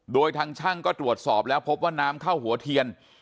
โดยทางช่างก็ตรวจสอบแล้วพบว่าน้ำเข้าหัวเทียน